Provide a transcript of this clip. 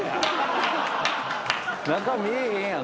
中見えへんやんか。